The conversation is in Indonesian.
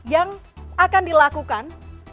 yang akan dilakukan